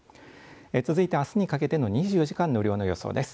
続いて、あすにかけての２４時間の雨量の予想です。